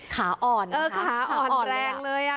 ขาอ่อนค่ะค่ะอ่อนอ่อนแรงอ่ะ